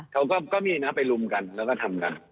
เขาก็มีนะไปลุมกันแล้วก็ทำงาน